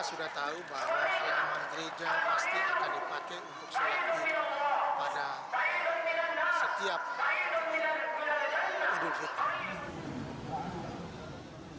kita sudah tahu bahwa halaman gereja pasti akan dipakai untuk sholat id pada setiap idul fitri